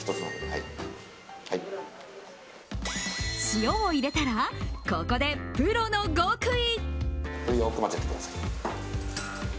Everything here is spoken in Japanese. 塩を入れたらここでプロの極意。